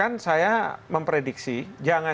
bahkan saya memprediksi jangan jangan dunia ini akan bergolak